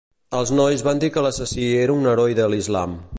Els nois van dir que l'assassí era un heroi de l'islam.